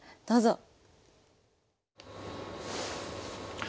どうぞ。